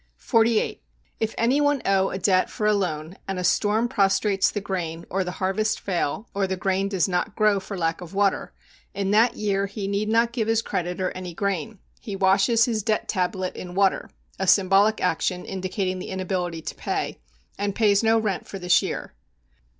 48. If any one owe a debt for a loan, and a storm prostrates the grain, or the harvest fail, or the grain does not grow for lack of water; in that year he need not give his creditor any grain, he washes his debt tablet in water [a symbolic action indicating the inability to pay] and pays no rent for this year.